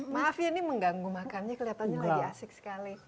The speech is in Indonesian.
maaf ya ini mengganggu makannya kelihatannya lagi asik sekali